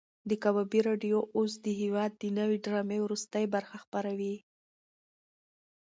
د کبابي راډیو اوس د هېواد د نوې ډرامې وروستۍ برخه خپروي.